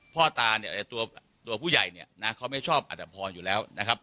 พ่อตาเนี่ยตัวผู้ใหญ่เนี่ยนะเขาไม่ชอบอัตภพรอยู่แล้วนะครับ